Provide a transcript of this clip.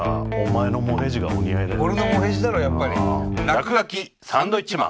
「らくがきサンドウィッチマン」。